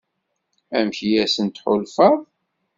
Amek i asen-tḥulfaḍ?